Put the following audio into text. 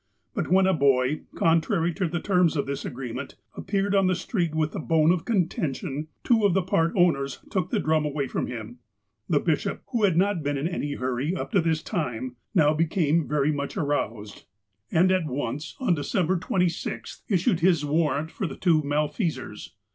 But when a boy, contrary to the terms of this agreement, appeared on the street with the "bone of contention," two of the part owners took the drum away from him. The bishop, who had not been in any hurry up to this time, now became very much aroused, and at once, on il 274 THE APOSTLE OF ALASKA December 26th, issued his warrant for the two malfeasors.